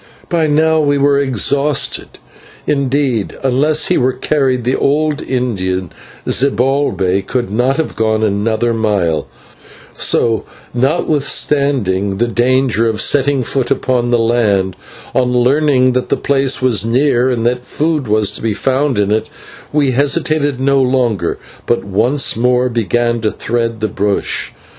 By now we were exhausted indeed, unless he were carried, the old Indian Zibalbay could not have gone another mile; so, notwithstanding the danger of setting foot upon the land, on learning that the place was near and that food was to be found in it, we hesitated no longer, but once more began to thread the bush.